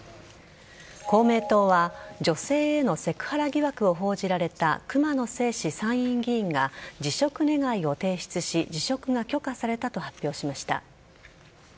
公明党は女性へのセクハラ疑惑を報じられた熊野正士参院議員が辞職願を提出し辞職が許可されたと発表しました。